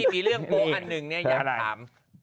มีเรื่องโป๊ะอันหนึ่งอยากถาม